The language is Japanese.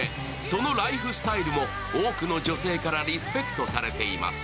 そのライフスタイルも多くの女性からリスペクトされています。